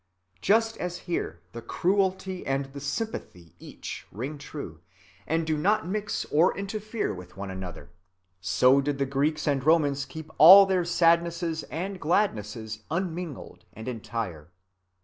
Just as here the cruelty and the sympathy each ring true, and do not mix or interfere with one another, so did the Greeks and Romans keep all their sadnesses and gladnesses unmingled and entire.